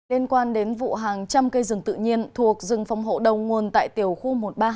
liên quan đến vụ hàng trăm cây rừng tự nhiên thuộc rừng phòng hộ đầu nguồn tại tiểu khu một trăm ba mươi hai